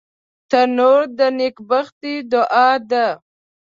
تنور د نیکبختۍ دعا ده